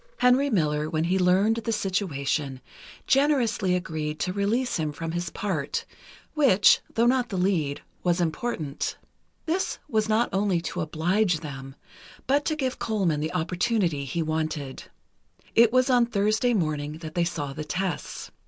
Henry Miller, when he learned the situation, generously agreed to release him from his part, which, though not the lead, was important. This was not only to oblige them, but to give Colman the opportunity he wanted. It was on Thursday morning that they saw the tests.